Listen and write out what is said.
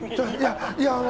いや